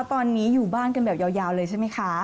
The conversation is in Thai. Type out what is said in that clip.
ตอนนี้อยู่บ้านกันแบบยาวเลยใช่ไหมคะ